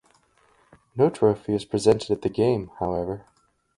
No trophy is presented at the game, however.